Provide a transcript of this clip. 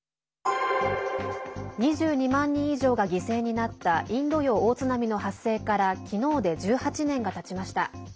２２万人以上が犠牲になったインド洋大津波の発生から昨日で１８年がたちました。